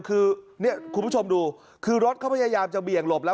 คุณผู้ชมดูคือรถเขาพยายามจะเบี่ยงหลบแล้ว